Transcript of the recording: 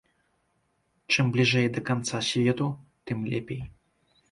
Чым бліжэй да канца свету, тым лепей.